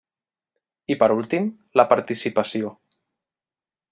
I per últim, la participació.